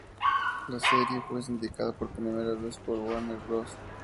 La serie fue sindicada por primera vez por Warner Bros.